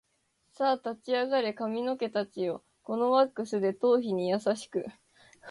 さあ立ち上がれ髪の毛たちよ、このワックスで頭皮に優しく